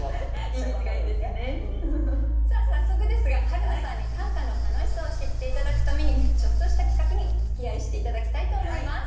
さあ早速ですがはるなさんに短歌の楽しさを知って頂くためにちょっとした企画におつきあいして頂きたいと思います。